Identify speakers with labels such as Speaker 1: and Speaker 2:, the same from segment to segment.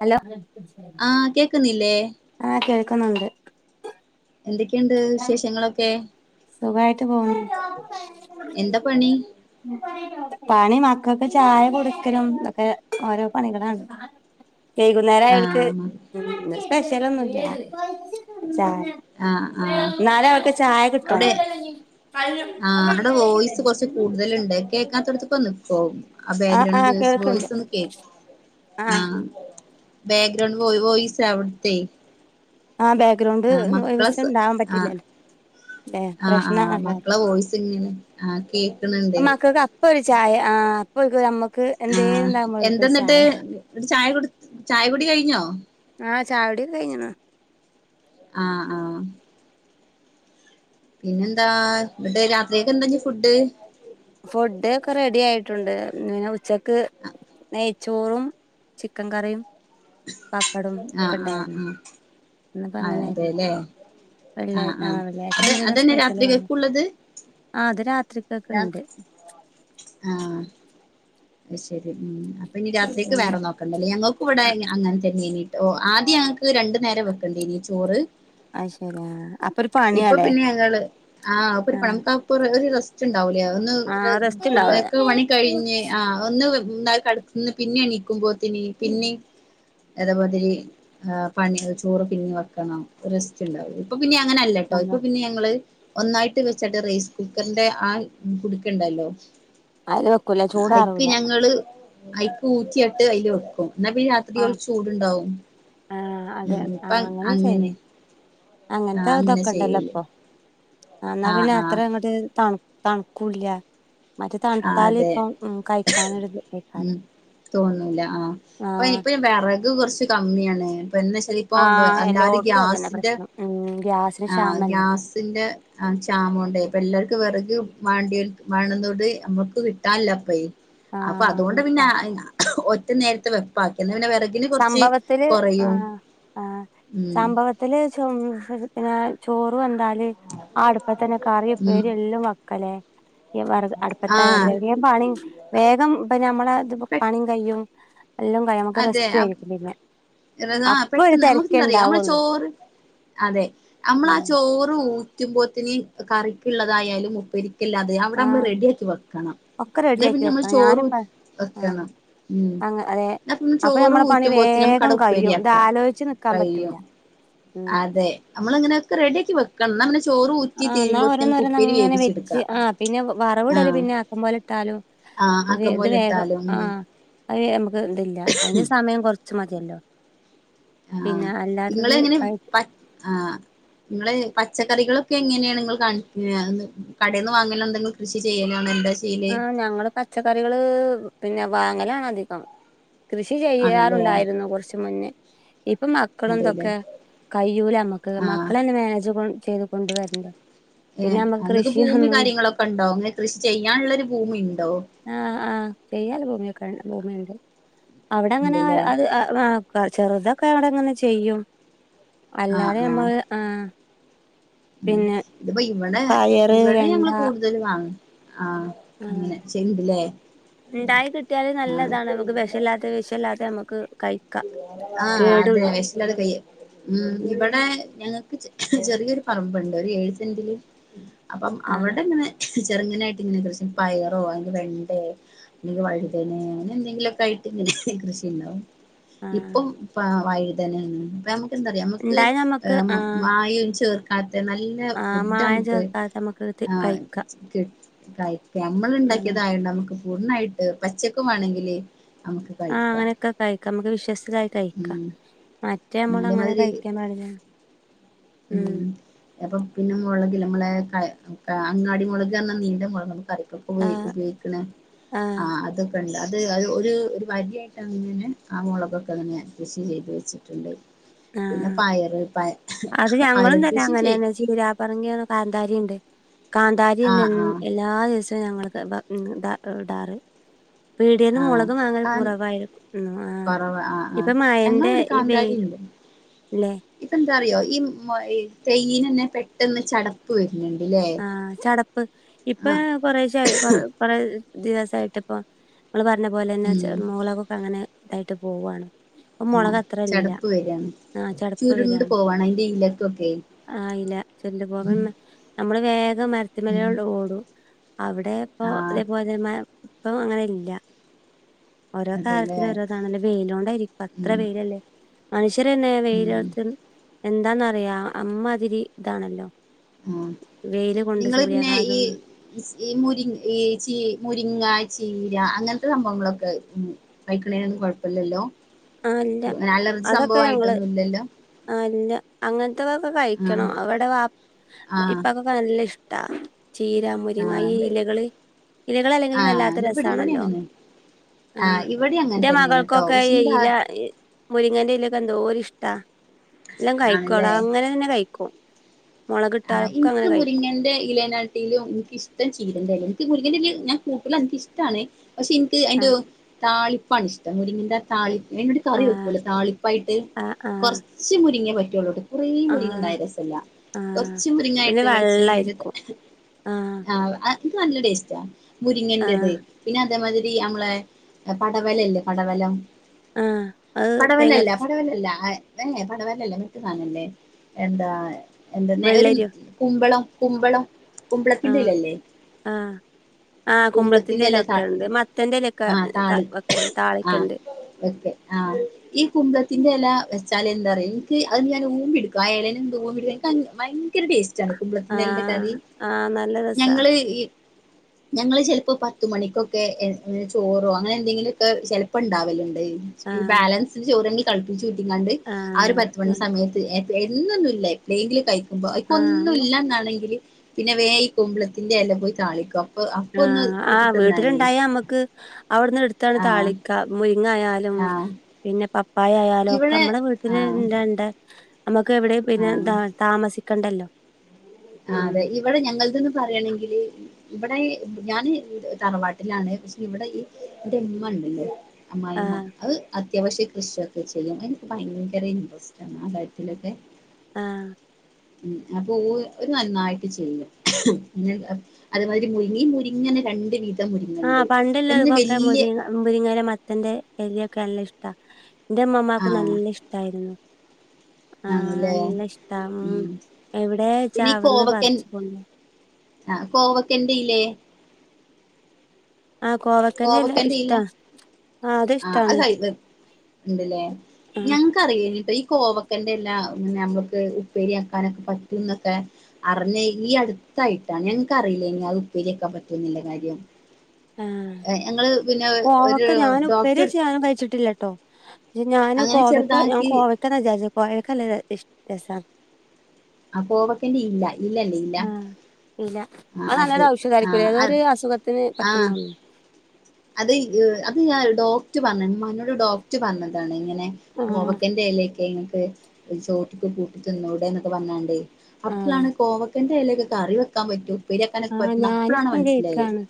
Speaker 1: Hello
Speaker 2: ആഹ് കേക്കുന്നില്ലേ
Speaker 1: ആഹ് കേൾക്കുന്ന്ണ്ട്
Speaker 2: എന്ത് ഒക്കെ ഒണ്ട് വിശേഷങ്ങള് ഒക്കെ
Speaker 1: സുഖായിട്ട് പോകുന്നു
Speaker 2: എന്താ പണി
Speaker 1: പണി മക്കൾക്ക് ചായ കൊടുക്കലും ഇത് ഒക്കെ ഓരോ പണികളാണ്
Speaker 2: ഉ
Speaker 1: വൈകുന്നേരം അവർക്ക് ഉം ഇന്ന് സ്പെഷ്യല് ഒന്നും ഇല്ല ചായ
Speaker 2: ആഹ് ആഹ്
Speaker 1: നാളെ അവർക്ക് ചായ കിട്
Speaker 2: അവിടെ
Speaker 1: [inaudible]
Speaker 2: തലുണ്ടേ കേക്കാത്തടത്തക്ക് വന്നു പോ ആ
Speaker 1: ആ
Speaker 2: ബാക്ക്ഗ്രൗണ്ട് വ്യൂസ്
Speaker 1: കേൾക്കണ്ട്
Speaker 2: വോയിസ് ഒന്ന് കേൾക്ക് ആ ബാഗ്രൗണ്ട് വോ വോയിസ് അവിടത്തെ
Speaker 1: ആ ബാഗ്രൗണ്ട് വിസം
Speaker 2: സ
Speaker 1: ഉണ്ടാവാൻ
Speaker 2: ആഹ്
Speaker 1: പറ്റില്ലല്ലോ ല്ലേ
Speaker 2: ആഹ് ആഹ്
Speaker 1: പ്രശ്നാണല്ലോ
Speaker 2: മക്കളെ വോയിസ് ഇങ്ങനെ ആഹ് കേക്കണണ്ടേ
Speaker 1: ഇപ്പൊ ഒരു ചായ ആ അപ്പൊ ക് അമ്മക്ക് എന്തേര് ന്താകുമ്പോ ക് ഒരു ചായ
Speaker 2: ന്നട്ട് ചായ കുട് ചായ കുടി കഴിഞ്ഞോ?
Speaker 1: ആഹ് ചായുടി ഒക്കെ കഴിഞ്ഞ്ണ്.
Speaker 2: ആഹ് ആഹ് പിന്നെന്താ ഇന്നട്ട് രാത്രിക്കെക്കെന്താ ഞ് ഫുഡ്?
Speaker 1: ഫുഡ് ഒക്കെ റെഡി ആയിട്ടുണ്ട് പിന്നെ ഉച്ചക്ക് നെയ്ച്ചോറും ചിക്കൻ കറിയും പപ്പടും
Speaker 2: ആഹ്
Speaker 1: ഒക്കെ
Speaker 2: ആഹ്
Speaker 1: ണ്ടായിര്ന്നു.
Speaker 2: ആഹ്
Speaker 1: ഇന്നിപ്പ
Speaker 2: ആഹ്
Speaker 1: അങ്ങനേര്ന്നു.
Speaker 2: അതെല്ലേ
Speaker 1: വെള്ള്യായ് ആഹ് വെള്ള്യാഴ്ച
Speaker 2: അത്
Speaker 1: എന്തേലും
Speaker 2: അതന്നെ
Speaker 1: സ്പെഷ്യല് വാണം.
Speaker 2: രാത്രികക്കുള്ളത്
Speaker 1: ആഹ് അത് രാത്രിക്കക്ക്
Speaker 2: രാ
Speaker 1: ണ്ട്.
Speaker 2: ആഹ് അഹ്ശരി ഉം. അപ്പ ഞ്ഞ് രാത്രിക്ക്
Speaker 1: പിന്നെ
Speaker 2: വേറെ നോ ക്കണ്ട ലേ. ഞങ്ങക്കു ഇവടെ അങ്ങൻതെന്നേനി ട്ടോ. ആദ്യ ഞങ്ങക്ക് രണ്ടു നേരം വെക്കണ്ടീനീ ചോറ്
Speaker 1: അഹ് ശരി ആഹ്. അപ്
Speaker 2: ഇപ്പൊ പിന്നെ ഞങ്ങള് ആഹ് അത്പ്പൊര്
Speaker 1: ആ
Speaker 2: പ ഞംകഒക്കൊര് ഒര് റെസ് റ്റ്ണ്ടാവുലെ ഒന്ന്
Speaker 1: ആ
Speaker 2: ര്
Speaker 1: റെസ്റ്റ്
Speaker 2: ഫുഡ്
Speaker 1: ഉണ്ടാവൂല
Speaker 2: ഒക്കെ പണി കഴിഞ്ഞ് ആഹ് ഒന്ന് ഇണ്ടാക്കി കട്ന്ന് പിന്നെ എണീക്കുമ്പോത്തിന് പിന്നിം അതേ മാതിരി ഏഹ് പണി അത് ചോറ് പിന്നി വെക്കണം. റെസ്റ്റ്ണ്ടാവും. ഇപ്പൊ പിന്നിം അങ്ങനല്ലട്ടോ ഇപ്പൊ പിന്നിം ഞങ്ങള് ഒന്നായിട്ട് വെച്ചാട്ട് റൈസ് കുക്കർന്റെ ആ കുടുക്കണ്ടല്ലോ.
Speaker 1: അത് വെക്കൂല
Speaker 2: അയിക്ക്
Speaker 1: ചൂടാറൂല
Speaker 2: ഞങ്ങള് അയിക്ക് ഊറ്റിയാട്ട് അയിൽ വെക്കും ന്നാ പിന്നെ രാ
Speaker 1: ആ
Speaker 2: ത്റിയൊരു ചൂടുണ്ടാവും.
Speaker 1: ആ
Speaker 2: ഉം ഇപം അങ്ങനെ. ആഹ്
Speaker 1: അങ്ങൻത്തെ
Speaker 2: അങ്ങനെ
Speaker 1: തൊക്കെ ണ്ടല്ലോ
Speaker 2: ചെയ്യല്
Speaker 1: ഇപ്പം. ആഹ് ഇന്നാ പിന്നെ അത്രങ്ങട്ട് തണു തണുക്കൂല്ല. മറ്റത്
Speaker 2: ആഹ്
Speaker 1: തണ്ത്താല്
Speaker 2: അതെ
Speaker 1: പ്പം ഉം കയിക്കാനൊരിത് ഇതേക്കാരം.
Speaker 2: തോന്നൂല്ല ആഹ്. ഇപ്പയ് ഇപ്പയ് വെറക് കൊർച്ച് കമ്മ്യാണ്. ഇപ്പ ന്ന്
Speaker 1: ആ
Speaker 2: തല്ലിപ്പോം അല്ലാതെ
Speaker 1: എല്ലോടത്തും അതന്നെ
Speaker 2: ഗ്യാസിന്റെ
Speaker 1: പ്രശ്നം ഉം ഗ്യാസിന്
Speaker 2: ആഹ്
Speaker 1: ക്ഷാമല്ലേ
Speaker 2: ഗ്യാസിന്റെ ആഹ് ക്ഷാമോണ്ടേ ഇപ്പെല്ലാര്ക്കും വെറക് വാണ്ട്യോൽക് വേണംന്നോണ്ട് നമ്മക്ക് കിട്ടാല്ലപ്പേയ്. അപ്പ അതുകൊണ്ട്
Speaker 1: ആഹ്
Speaker 2: പിന്നെ ഞ ഒറ്റ നേരത്തെ വെപ്പാക്കിന്നാ പിന്നെ വെറ
Speaker 1: സംഭവത്തില് ആഹ് ആഹ്
Speaker 2: ഉം
Speaker 1: സംഭവ ത്തില് ചൊം പിന്ന ചോറ് വെന്താല് ആ അടുപ്പത്തന്നെ കറി
Speaker 2: ഉം
Speaker 1: ഉപ്പേരി എല്ലും വെക്കലെ. യി വെറക് അടുപ്പത്തായാല്
Speaker 2: ആഹ്
Speaker 1: വേം വേം പണിം വേഗം ഇപ്പ ഞമ്മളെ ഇത്പ്പൊ
Speaker 2: പെ
Speaker 1: പണിം കയ്യും. എല്ലും കയ്യും. ഞമ്മക്ക് റെസ്റ്റുആയിക്കും പിന്നെ.
Speaker 2: റെ ആഹ്
Speaker 1: അപ്പൊ ഒരു
Speaker 2: പെട്ടെന്ന്
Speaker 1: തിരക്കേ
Speaker 2: നമ്മക്കെന്താറിയൊ ഞമ്മള്
Speaker 1: ഉണ്ടാവുള്ളൂ
Speaker 2: ചോറ് അതെ അമ്മളാ
Speaker 1: ഉം
Speaker 2: ചോറ് ഊറ്റുമ്പോത്തിന് കറിക്ക്ള്ളതായാലും ഉപ്പേരി കില്ല അത് അവടെ മ്മള്
Speaker 1: ആഹ്
Speaker 2: റെഡിയാക്കി വെക്കണം.
Speaker 1: ഒക്കെ
Speaker 2: ഇന്നാ
Speaker 1: റെഡിയാക്കി
Speaker 2: പിന്നെ നമ്മൾ
Speaker 1: വെക്കണം
Speaker 2: ചോറു,
Speaker 1: ഞാനിപ്പ ആഹ്
Speaker 2: വെക്കണം ഉം.
Speaker 1: അങ്ങ അതെ
Speaker 2: അപ്പമ്മള്
Speaker 1: അപ്പൊ
Speaker 2: ചോറ്
Speaker 1: നമ്മളെ പണി
Speaker 2: ഊറ്റുമ്പോത്തിനും നമുക്കട
Speaker 1: വേഗം കഴിയും ഇത്
Speaker 2: ഉപ്പേരിയാക്കാ.
Speaker 1: ആലോചിച്ച് നിക്കാൻ പറ്റൂല
Speaker 2: കയ്യും
Speaker 1: ഉം
Speaker 2: അ തെ അമ്മള് അങ്ങനൊക്കെ റെഡി ആക്കി വെ
Speaker 1: ആഹ് ഇന്നാ
Speaker 2: ഉപ്പേരി
Speaker 1: ഓരോന്നോരോന്നങ്ങനെ വെച്ച്
Speaker 2: വേവിച്ചെടുക്കാം
Speaker 1: ആഹ് പിന്നെ വറവ് ഇടല്
Speaker 2: ആഹ്
Speaker 1: പിന്നെ ആക്കം പോലെ ഇട്ടാലും
Speaker 2: ആഹ്
Speaker 1: ഇത്
Speaker 2: ആക്കം
Speaker 1: ഇത്
Speaker 2: പോലെ
Speaker 1: വേഗം
Speaker 2: ഇട്ടാലും ഉം
Speaker 1: ആഹ് അത് നമക്ക് ഇതില്ല അയ്ന് സമയം കൊർച്ച് മതിയല്ലോ.
Speaker 2: ആഹ്
Speaker 1: പിന്നെ അല്ലാത്തത്
Speaker 2: ഇങ്ങളെങ്ങനെ
Speaker 1: ആഹ്
Speaker 2: പ ആഹ് ഇങ്ങള് പച്ചക്കറികളൊക്കെ എങ്ങനേണ് ഇങ്ങൾ കാൺ ഏഹ് ന്ന് കടേന്ന് വാങ്ങലെന്തെങ്കിൽ കൃഷി ചെയ്യലൊ?
Speaker 1: ആഹ് ഞങ്ങള് പച്ചക്കറികള് പിന്നെ വാങ്ങലാണ് അധികം കൃഷി
Speaker 2: ആണല്ലേ
Speaker 1: ചെയ്യാറുണ്ടായിരുന്നു കൊർച്ച് മുന്നേ ഇപ്പ മക്കളും
Speaker 2: അതെല്ലേ
Speaker 1: തൊക്കെ കയ്യൂല നമ്മക്ക്
Speaker 2: ആഹ്
Speaker 1: മക്കളന്നെ മേനേജ് ചെയ്ത് കൊണ്ട് വര്ണ്ടെ പിന്നെ നമ്മക്ക് കൃഷി ഒന്നും
Speaker 2: പ്പണ്ടോ ഇങ്ങക്ക് കൃഷി ചെയ്യാൻള്ളോരു ഭൂമി ഇണ്ടോ
Speaker 1: ആ ആ ചെയ്യാൻല്ല ഭൂമിയൊക്കെ ഭൂമിഴിണ്ട് അവ്ടെ എങ്ങനെ
Speaker 2: ഉണ്ടല്ലേ
Speaker 1: അത് അ ആ ചെറുതൊക്കെ അവിടെങ്ങനെ ചെയ്യും
Speaker 2: ആഹ്
Speaker 1: അല്ലാതെ
Speaker 2: ആഹ്
Speaker 1: ഞമ്മള് ആ
Speaker 2: ഉം
Speaker 1: പിന്നെ
Speaker 2: ഇത്പ്പോ ഇവടെ
Speaker 1: പയറ്
Speaker 2: ഇവടിം
Speaker 1: വെണ്ട
Speaker 2: ഞങ്ങള് കൂടുതല് വാങ്ങ ആ
Speaker 1: ആ
Speaker 2: അങ്ങനെ ചെയ്യ്ണ്ട് ലെ ആ
Speaker 1: ല്ലാതെ വിശല്ലാതെ നമുക്ക് കൈ
Speaker 2: ആ അതെ വെശല്ലാതെ കയ് ഉം ഇവടെ ഞങ്ങക്ക് ചെ ചെറിയൊരു പറമ്പ്ണ്ട് ഒരു ഏഴ് സെന്റില് അപ്പം
Speaker 1: ആ
Speaker 2: അവടെ ഇങ്ങനെ ചെറ്ങ്ങനായിട്ട് ഇങ്ങനെ കൃഷി പയറോ അല്ലങ്കി വെണ്ടേ അല്ലങ്കി വഴുതനെ അങ്ങനെ എന്തെങ്കിലൊക്കെ ആയിട്ട് ഇങ്ങനെ കൃഷിണ്ടാവും
Speaker 1: ആ
Speaker 2: ഇപ്പം വ വഴുതനെണ് ഇപ്പ നമുക്ക് എന്താ അറിയാേ നമുക്ക്
Speaker 1: ഉണ്ടായി നമുക്ക്
Speaker 2: ഏ
Speaker 1: ആ
Speaker 2: മായം ചേർ ക്കാത്തെ നല്ല
Speaker 1: ആ
Speaker 2: ഫുഡ
Speaker 1: മായം
Speaker 2: നമുക്ക്
Speaker 1: ചേർക്കാതെ നമുക്ക്
Speaker 2: ആ
Speaker 1: കഴിക്കാം
Speaker 2: കി കയിക്ക നമ്മള് ഇണ്ടാക്കിയതായോണ്ട് നമ്മുക്ക് പൂർണായിട്ട് പച്ചക്ക് വേണെങ്കില് അമ്മക്ക്
Speaker 1: ആ
Speaker 2: കയിക്കാ
Speaker 1: അങ്ങനെയൊക്കെ കഴിക്കാം നമുക്ക് വിശ്വസ്തായി കഴിക്കാം മറ്റേ നമ്മളങ്ങനെ
Speaker 2: അതേമാതിരി
Speaker 1: കഴിക്കാൻ പാടില്ല
Speaker 2: ഉം എപ്പം പിന്നെ മൊളകില്ലേ മ്മളെ ക ആ അങ്ങാടി മൊളക് അർഞ്ഞ നീണ്ട മൊളക് കറിക്കു
Speaker 1: ആ
Speaker 2: പോയി ഉപയോഗിക്ക്ണ ആ അത് ക്കണ്ട് അത് അത് ഒര് ഒരു വര്യായ്ട്ട് അങ്ങനെ ആ മൊളകൊക്കെ അങ്ങനെ കൃഷി ചെയ്ത് വെച്ചിട്ട്ണ്ട് പിന്നെ പയറ് പ
Speaker 1: ത് ഞങ്ങളും തന്നെ അങ്ങനെന്നെ ചീരാ പറങ്കിയാണോ കാന്താരി ഇണ്ട് കാന്താരി ഇണ്ട്
Speaker 2: ആഹ്
Speaker 1: എൻ
Speaker 2: ആഹ്
Speaker 1: എല്ലാ ദിവ്സ് ത് ഞങ്ങൾക്ക് ബ ഉം ദ ഇടാറ് പീടിയേന്ന്
Speaker 2: ആഹ്
Speaker 1: മൊളക് വാങ്ങൽ
Speaker 2: കാ
Speaker 1: കുറവായിരിക്കും ഉം ആ
Speaker 2: കൊറവ ആഹ് ആഹ്
Speaker 1: ഇപ്പം മയേന്റെ
Speaker 2: ഞങ്ങളിവിടെ
Speaker 1: ഈ
Speaker 2: കാന്താരി
Speaker 1: വെയ്ൽ
Speaker 2: ഉണ്ട്
Speaker 1: ഇല്ലേ
Speaker 2: ഇപ്പ എന്താ അറിയോ ഈ മൊ ഈ തെയ്യിനെന്നെ പെട്ടെന്ന് ചട പ്പ് വര്ന്ണ്ട്ലേ
Speaker 1: ആ ചടപ്പ് ഇപ്പ കൊറേശേ ആയി കൊർ കൊറേ ദിവസായിട്ട് ഇപ്പൊ ഇങ്ങള് പർഞ്ഞ പോലെന്നെ ചെ
Speaker 2: ഉം
Speaker 1: മൊളൊകോക്കെ അങ്ങനെ ഇതായിട്ട് പോവാണ് ഇപ്പൊ
Speaker 2: ആ
Speaker 1: മുളക് അത്ര ഇല്ല
Speaker 2: ചടപ്പ് വരാണ്
Speaker 1: ആ ചടപ്പ്
Speaker 2: ചുരുണ്ട്
Speaker 1: വരാണ്
Speaker 2: പോവാണ് അഴിന്റെ ഇലക്കൊക്കെ
Speaker 1: ആ ഇല ചുര്ണ്ടു
Speaker 2: ഉം
Speaker 1: പോകാന്ന് നമ്മള് വേഗം മര്ത്തിമേലെ
Speaker 2: ഉം
Speaker 1: ഒള്ളു ഓടും അവടെ ഇപ്പൊ
Speaker 2: ആഹ്
Speaker 1: ഇതേപോലെ മ പ്പൊ അങ്ങനെ ഇല്ല ഓരോ
Speaker 2: അതെല്ലേ
Speaker 1: കാലത്തിനു ഓരോതാണല്ലേ വെയിലോണ്ടായിരി അത്ര
Speaker 2: ഉം
Speaker 1: വെയിലല്ലേ മനുഷ്യരന്നെ
Speaker 2: ഉം
Speaker 1: വെയിലത്ത്ൺ എന്താന്നറിയോ അമ്മാതിരി ഇതാണല്ലോ
Speaker 2: ഉം
Speaker 1: വെയില് കൊണ്ട്
Speaker 2: നിങ്ങള് പിന്നെ ഈ
Speaker 1: സൂര്യാഘാതം കൊണ്ട്
Speaker 2: ഈ മുരി ഈ ചീ മുരിങ്ങ, ചീര അങ്ങൻത്തെ സംഭവങ്ങളൊക്ക ഉം കഴിക്ക്ണേനൊന്നും കോഴപ്പല്ലല്ലോ
Speaker 1: ആ ഇല്ല
Speaker 2: അലർജി
Speaker 1: അതൊക്കെ ഞങ്ങള്
Speaker 2: സംഭവായ്ട്ടൊന്നും ഇല്ലല്ലോ
Speaker 1: ആ ഇല്ല അങ്ങൻത്തതൊക്ക
Speaker 2: ആഹ്
Speaker 1: കഴിക്കണം ഇവടെ വാ
Speaker 2: ആഹ്
Speaker 1: ഇപ്പാകൊ ക്കെ നല്ല ഇഷ്ടാ ചീര മുരിങ്ങ ഈ
Speaker 2: ആഹ്
Speaker 1: ഇലകള് ഇലകളല്ലെങ്കിലും
Speaker 2: ആഹ്
Speaker 1: വല്ലാത്ത
Speaker 2: ഇവിടെ ഇവിടെ
Speaker 1: രസാണല്ലോ
Speaker 2: അങ്ങനെ
Speaker 1: ആ
Speaker 2: ആഹ് ഇവിടെ അങ്ങനെ
Speaker 1: ഇന്റെ
Speaker 2: തന്നെയാണ് കേട്ടോ
Speaker 1: മകൾക്കൊക്ക
Speaker 2: പക്ഷെ
Speaker 1: ഈ
Speaker 2: ഇന്റെ
Speaker 1: ഇല
Speaker 2: ഹസ്
Speaker 1: ഈ മുരിങ്ങന്റെ ഇലെക്കെ എന്തോരിഷ്ട എല്ലം കഴിക്കു എടാ.
Speaker 2: ആണല്ലേ
Speaker 1: അങ്ങനെ തന്നെ കഴിക്കും.
Speaker 2: ആഹ്
Speaker 1: മുളകിട്ടാലൊക്കെ
Speaker 2: ഇൻക്ക്
Speaker 1: അങ്ങനെ കഴിക്കും
Speaker 2: മുരിങ്ങന്റെ ഇലെനാ ട്ടിലും എനിക്കിഷ്ടം ചീരേന്റെലെയാ. ഇൻക്ക് മുരിങ്ങെന്റെലെ ഞാൻ കൂട്ടൂല ഇനിക്കിഷ്ടാണ് പക്ഷെ ഇൻക്ക്
Speaker 1: ആ
Speaker 2: അയ്ന്റെ താളിപ്പാണ് ഇഷ്ടം മുരിങ്ങിന്റെ താളി. അയ്നോട് കറി
Speaker 1: ആ
Speaker 2: വെക്കൂലേ താളിപ്പായിട്ട്.
Speaker 1: ആഹ് ആഹ്
Speaker 2: കൊറച്ച് മുരിങ്ങേ പറ്റുള്ളൂട്ടോ. കുറേ മുരിങ്ങ
Speaker 1: ആഹ്
Speaker 2: ഇണ്ടായാ രസല്ല.
Speaker 1: ആഹ്
Speaker 2: കൊറച്ച്
Speaker 1: പിന്നെ
Speaker 2: മുരിങ്ങായിട്ട് വെളിച്ചെണ്ണേല് ത്.
Speaker 1: വെള്ളായിരിക്കും
Speaker 2: ആഹ് അ ത് നല്ല ടേസ്റ്റാ മുരിങ്ങന്റത്.
Speaker 1: ആഹ്
Speaker 2: പിന്നെ അ തേമാതിരി നമ്മളെ പടവല ഇല്ലേ പടവലം?
Speaker 1: ആഹ് അത്
Speaker 2: പടവലല്ല
Speaker 1: തേങ്ങരച്ച്
Speaker 2: പടവലല്ല അ ഏഹ് പടവലല്ല മറ്റേ സാനല്ലേ. എന്താ എന്തന്നെ ഒരു
Speaker 1: വെള്ളരിയോ
Speaker 2: കുമ്പളം കുമ്പളം കുമ്പളത്തിന്റെ
Speaker 1: ആഹ്
Speaker 2: ഇലല്ലേ?
Speaker 1: ആഹ് ആഹ് കുമ്പളത്തിന്റെ എല
Speaker 2: ഇല താ
Speaker 1: വെക്കല്ണ്ട്. മത്തന്റെ എലയൊക്കെ ക വക്കല്ണ്ട് താളിക്കണ്ട്.
Speaker 2: വെക്കെ ആഹ്. ഈ കുമ്പളത്തിന്റെ എല വെച്ചാൽ എന്താറിയോ? ഇൻക്ക് അത് ന്ന് ഞാൻ ഊമ്പിടുക്കും ആ എലേന്ന് എന്ത് ഊമ്പിട് ക്കാൻ ഭയങ്കര ടേസ്റ്റാണ് കുമ്പളത്തിന്റെ എലന്റെ
Speaker 1: ആഹ്
Speaker 2: കറി.
Speaker 1: ആഹ് നല്ല രസാ
Speaker 2: ഞങ്ങള് ഈ ഞങ്ങള് ചെലപ്പോ പത്ത് മണിക്കൊക്കെ ഏഹ് ചോറോ അങ്ങനെ എന്തെങ്കിലു ഒക്കെ ചെലപ്പോ ഇണ്ടാവല്ണ്ട്. ഈ
Speaker 1: ആഹ്
Speaker 2: ബാലൻസിന് ചോറ്ങ്കി തെളപ്പിച്ചൂറ്റിങ്ങാണ്ട് ആ ഒരു പത്ത്
Speaker 1: ആഹ്
Speaker 2: മണി
Speaker 1: ആഹ്
Speaker 2: സമയത്ത് ഏഹ് എന്നൊന്നുല്ല പ്പളേങ്കിലും കയ്ക്കുമ്പോ ഇപ്പൊ ഒന്നും ഇല്ലന്നാണെങ്കില് പിന്നെ വേം ഈ കുമ്പളത്തിന്റെ എല പോയ് താളിക്കു.
Speaker 1: ആഹ് ആഹ് വീട്ടിലുണ്ടായാ അമ്മക്ക് അവ്ട്ന്ന് എട്ത്തങ്ങ്ട്
Speaker 2: ആഹ്
Speaker 1: താളിക്കാ. മുരിങ്ങായാലും
Speaker 2: ആഹ്
Speaker 1: പിന്നെ പപ് പ്പായ ആയാലോ ഒക്കെ
Speaker 2: ഇവിടെ
Speaker 1: മ്മളെ വീട്ടില്
Speaker 2: ആഹ്
Speaker 1: എല്ലാ ഇണ്ട്. അമ്മക്ക് എവിടെയു പിന്നെ
Speaker 2: ആഹ്
Speaker 1: ദാ താമസി ക്കണ്ടല്ലോ?
Speaker 2: ആഹ് അതെ. ഇവിടെ ഞങ്ങള്ത് ന്ന് പറയണെങ്കില് ഇവടെ ഞാന് തറവാട്ടിലാണ്. പക്ഷെ ഇവിടെ ഈ ഇവരെ ഇമ്മണ്ടല്ലോ? അമ്മായിമ്മ.
Speaker 1: ആഹ്
Speaker 2: അത് അത്യാവശ്യ കൃഷിയൊക്കെ ചെയ്യും. എനിക്ക് ഭയങ്കര ഇൻട്രസ്റ്റ് ആണ് ആ കാര്യത്തിലൊക്കെ.
Speaker 1: ആഹ്.
Speaker 2: ഉം അപ്പൊ ഊ ഓര് നന്നായിട്ട് ചെയ്യും. അത് മാതിരി മുരിങ്ങി, ഈ മുരിങ്ങിന്നെ രണ്ട് വിധ മുരിങ്ങണ്ട്. ഒന്ന് വല്യ
Speaker 1: അമ്മുരിങ്ങയില, മത്തന്റെ എലയൊക്കെ നല്ല ഇഷ്ടാ. എന്റെ ഇമ്മമ്മാക്കും
Speaker 2: ആഹ്
Speaker 1: നല്ല ഇഷ്ടായിരുന്നു. ആഹ്
Speaker 2: ആണല്ലേ
Speaker 1: നല്ല ഇഷ്ടാ ഉം. എവിടേച്ചാ
Speaker 2: പിന്നെ ഈ
Speaker 1: അവിട്ന്ന്
Speaker 2: കോവക്കൻ
Speaker 1: പറിച്ച് കൊണ്ട്
Speaker 2: ആ കോവക്കന്റെ ഇല്ലേ?
Speaker 1: ആഹ് കോവക്
Speaker 2: കോവക്കന്റെ ഇല. ആഹ്
Speaker 1: ഇഷ്ടാണ്
Speaker 2: അത് ഇണ്ടല്ലേ.
Speaker 1: ആഹ്
Speaker 2: ഞങ്ങക് ക്കറിയില്ലേനു കേട്ടോ ഈ കോവക്കന്റെ എല്ലാ നമക്ക് ഉപ്പേരിയാക്കാനൊക്കെ പറ്റുംന്നൊക്കെ. അറിഞ്ഞെ ഈ അടുത്തായിട്ടാണ്. എനക്ക്റിയില്ലേനു അത് ഉപ്പേരിക്കാ പറ്റുന്നില്ല കാര്യം.
Speaker 1: ആഹ്.
Speaker 2: ഞങ്ങള് പിന്നെ ഒരു
Speaker 1: കോവക്ക ഞാന്, ഉപ്പേരി
Speaker 2: ഡോക്ടർ
Speaker 1: വെച്ച് ഞാനും കഴിച്ചിട്ടില്ലട്ടോ. ഞാന്
Speaker 2: അങ്ങനെ
Speaker 1: കോവക്ക, ഞാൻ
Speaker 2: ചെറുതാക്കി
Speaker 1: കോവക്കാന്നാ വിചാരിച്ചെ. കോവക്കല്ല രസാ.
Speaker 2: ആ കോവക്കന്റെ ഇല്ല. ഇലല്ലേ ഇല.
Speaker 1: ഇല.
Speaker 2: ആ
Speaker 1: അത് നല്ലൊരു
Speaker 2: ആ
Speaker 1: ഔഷധായിരിക്കൂല്ലേ? ഏതോ ഒരു
Speaker 2: അത്
Speaker 1: അസുഖത്തിന് പറ്റ്
Speaker 2: ആ അത് ഈഹ് അത് ഞാ ഡോക്ടറ് പറഞ്ഞിന് ഇമ്മാനോട്, ഡോക്ടറ് പറഞ്ഞതാണ് ഇങ്ങനെ
Speaker 1: ആഹ്
Speaker 2: കോവക്കന്റെലയൊക്കെ ഇങ്ങക്ക് ചോറ്റിക്ക് കൂട്ടി തിന്നൂടെന്നൊക്കെ പറഞ്ഞാണ്ട്
Speaker 1: ആഹ്
Speaker 2: അപ്പളാണ് കോവക്കന്റെ എലയൊക്കെ കറി വെക്കാൻ പറ്റൂ
Speaker 1: ആഹ് ഞാനിപ്പം കേൾക്കാണ്.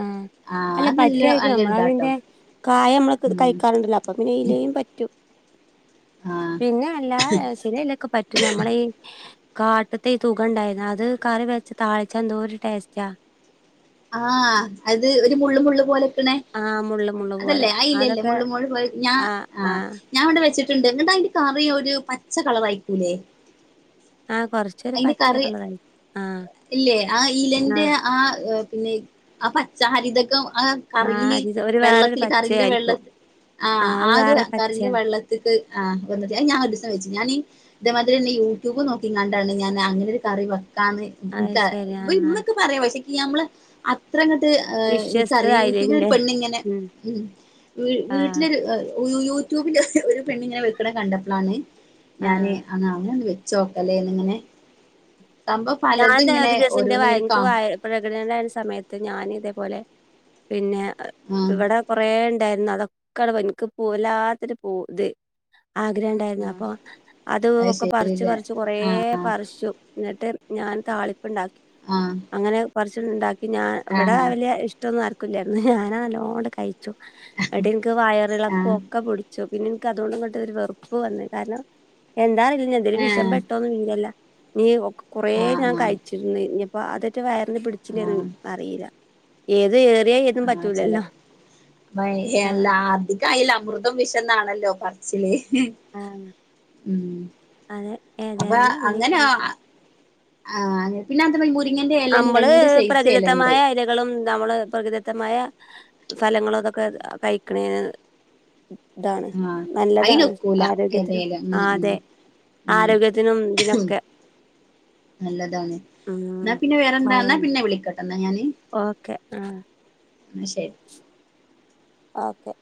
Speaker 1: ആഹ്.
Speaker 2: ആഹ്
Speaker 1: അല്ല
Speaker 2: അത് നല്ല
Speaker 1: പറ്റുവായിരിക്കും നമ്മള
Speaker 2: നല്ലൊരിതാട്ടോ
Speaker 1: അതിന്റെ കായ നമ്മള
Speaker 2: ഉം
Speaker 1: കഴിക്കാ അപ്പൊ പിന്നെ ഇലയും പറ്റും
Speaker 2: ആഹ്
Speaker 1: പിന്നെ അല്ലാ ഏസ്നെ ഇലക്കെ പറ്റും ഞമ്മള ഈ കാട്ട്ത്തെ ഈ തുക ഇണ്ടായിര്ന്നു അത് കറി വെച്ച് താളിച്ചാ എന്തോര് ടേസ്റ്റ
Speaker 2: ആഹ് അത് ഒരു മുള്ള് മുള്ള് പോലക്ക്ണെ
Speaker 1: ആഹ് മുള്ള് മുള്ള് പോലെ
Speaker 2: അതല്ലെ അയിലല്ലെ
Speaker 1: അതൊക്കെ
Speaker 2: മുള്ളു മുള്ള് മുഴ പോ ഞാൻ ആഹ് ഞാൻ ഇവടെ വെച്ചിട്ട്ണ്ട് എങ്ങ്ട്ട് അയിന്റെ കറി ഒരു പച്ച കളറായിരിക്കൂലെ
Speaker 1: ആഹ് കൊറ
Speaker 2: അയിന്റ കറി ഇല്ലേ ആഹ് ഇലന്റെ ആഹ് ഏഹ് പിന്നെ ആഹ് പച്ചഹരിതകം ആഹ്
Speaker 1: ആഹ്
Speaker 2: കറിയില്
Speaker 1: അരിത് ഒരു വേറൊരു
Speaker 2: വെള്ളത്തില് കറിന്റെ
Speaker 1: പച്ചയായിരിക്കും
Speaker 2: വെള്ളത്തി ആഹ് ആഹ് ഒരു കറിന്റെ വെള്ള ആഹ് വന്ന്ട്ട് അയ് ഞാൻ ഒരീസം വെച്ചീന്നു ഞാനീ ഇതേമാതിരിയെന്നെ യൂട്യൂബ് നോക്കി ഞാൻ അങ്ങനൊരു കറി വെക്കാന്ന്
Speaker 1: അത്
Speaker 2: ഇൻക
Speaker 1: ശരി ആഹ്
Speaker 2: ഇന്നൊക്ക പറയ പക്ഷേ ഇക് നമ്മളെ അത്ര അങ്ങ്ട്ട് ഏഹ്
Speaker 1: വിശ്വസ്തത
Speaker 2: ഇൻക്കറിയ യൂട്യൂബിലൊര്
Speaker 1: ആയില്ലേല്ലേ
Speaker 2: പെണ്ണിങ്ങനെ ഉം
Speaker 1: ആഹ്
Speaker 2: വീട്ടിലൊര് യൂട്യൂബിന്റെ ഒരു പെണ്ണിങ്ങനെ വെക്ക്ണ കണ്ടപ്പളാണ്
Speaker 1: ആഹ്
Speaker 2: ഞാന് അങ്ങനെ വെ ചോക്കലേന്നിങ്ങനെ
Speaker 1: ഞാൻ തന്നെ ഒരു ദിവസെന്റെ
Speaker 2: ഓരോന്ന്
Speaker 1: വയെ
Speaker 2: ഇങ്ങനെ
Speaker 1: ഇൻക്
Speaker 2: കാണും
Speaker 1: വയെ പ്രഗ്ന്ന്റാവ്ണ സമയത്ത് ഞാൻ ഇതേപോലെ പിന്നേ
Speaker 2: ആഹ്
Speaker 1: ഇവടെ കൊറേ ഇണ്ടാര്ന്ന് അതൊക്കണ് ഇൻക്ക്പൊ വല്ലാത്തൊരു പൂതി ആഗ്രഹം ഇണ്ടാര്ന്നു അപ്പൊ അത് ഒക്ക പറിച്ച് പറിച്ച് കൊറേ പറിച്ചു ഇന്ന്ട്ട് ഞാൻ താളിപ്പ് ഇണ്ടാക്കി
Speaker 2: ആഹ്
Speaker 1: അങ്ങനെ കൊറച്ച് ഇണ്ടാക്കി ഞാ ഇവടെ
Speaker 2: ആഹ്
Speaker 1: വല്യെ ഇഷ്ടൊന്നും ആർക്കില്ലായിര്ന്നു ഞാന നല്ലോണ്ട് കഴിച്ചു അട്ട് ഇൻക്ക് വയറിളക്കൊ
Speaker 2: ആഹ്
Speaker 1: ഒക്ക പുടി ചു പിന്നെ ഇൻക്ക് അതോണ്ട് ഇങ്ങ്ട്ട് ഒരു വെറ്പ്പ് വന്ന് കാര്ണം എന്താ അ പിന്നെ എന്തേലും വിഷം
Speaker 2: ഏഹ്
Speaker 1: പെട്ടോന്ന് വീനല്ല നീ ഒക കൊറേ ഞാൻ
Speaker 2: ആഹ് ആഹ്
Speaker 1: കഴിച്ചു ഇഞിപ്പൊ അതറ്റെ വയറിന് പിടിച്ചിലേന്ന്
Speaker 2: ആഹ്
Speaker 1: അറീല ഏത് ഏറി
Speaker 2: ആഹ് ചെല വയ്
Speaker 1: ആഹ്
Speaker 2: എല്ലാ അത് കയ്ല അമൃതം വിശന്നാണല്ലൊ പറച്ചില്
Speaker 1: ആഹ്
Speaker 2: ഉം
Speaker 1: അതെ
Speaker 2: അപൊ
Speaker 1: ഏതായാലും
Speaker 2: അങ്ങനാ
Speaker 1: അങ്ങനെയൊക്കെയാണ്
Speaker 2: ആഹ് പിന്നത് പോയി മുരിങ്ങന്റെ എലെന്നെ രണ്ട് സൈസ് എലണ്ട്
Speaker 1: ങ്ങളും ദമ്മള് പ്രകൃതിദത്തമായ ഫലങ്ങളും അതൊക്കെ കഴിക്കണേന് ഇദാണ്
Speaker 2: ആഹ്
Speaker 1: നല്ലതാണ്
Speaker 2: അയിനൊക്കൂല
Speaker 1: ആരോഗ്യത്തിനും
Speaker 2: ഏതേലും ഉം
Speaker 1: ആഹ്
Speaker 2: ഉം
Speaker 1: അതെ
Speaker 2: ഉം
Speaker 1: ആരോഗ്യത്തിനും ഇതിനൊക്കെ
Speaker 2: നല്ലതാണ് ഇന്ന
Speaker 1: ഉം
Speaker 2: പിന്നെ വേറെന്താ ഇന്ന
Speaker 1: ഭയം.
Speaker 2: പിന്നെ വിളിക്കാട്ടൊ ഇന്ന ഞാന്
Speaker 1: ഓക്കെ ആഹ്
Speaker 2: ഇന്ന ശരി
Speaker 1: ഓക്കെ